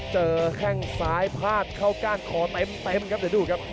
แข้งซ้ายพาดเข้าก้านคอเต็มครับเดี๋ยวดูครับ